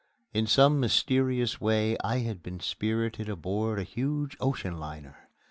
In some mysterious way I had been spirited aboard a huge ocean liner.